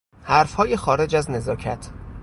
حرفهای خارج از نزاکت